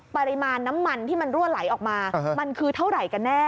ปริมาณน้ำมันที่มันรั่วไหลออกมามันคือเท่าไหร่กันแน่